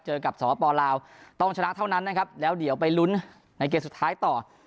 เจอกับสวปลาวต้องชนะเท่านั้นนะครับแล้วเดี๋ยวไปลุ้นในเกมสุดท้ายต่อ